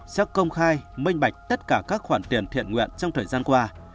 xét công khai minh bạch tất cả các khoản tiền thiện nguyện trong thời gian qua